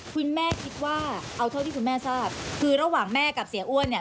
คุณแม่คิดว่าเอาเท่าที่คุณแม่ทราบคือระหว่างแม่กับเสียอ้วนเนี่ย